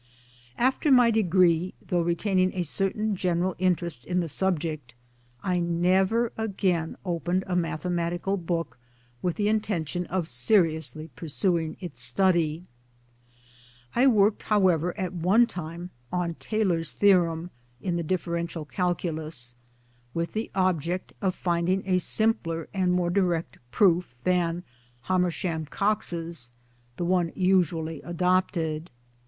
After my degree, though retaining a certain general interest in the subject, I never again opened a mathe matical book with the intention of seriously pur suing its study. I worked however at one time on " Taylor's theorem " in the Differential Calculus, with the object of finding a simpler and more direct proof than Homer sham Cox's (the one usually adopted).